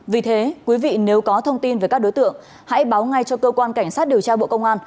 vì thế quý vị nếu có thông tin về các đối tượng hãy báo ngay cho cơ quan cảnh sát điều tra bộ công an